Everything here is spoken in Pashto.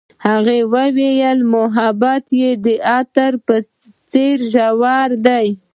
هغې وویل محبت یې د عطر په څېر ژور دی.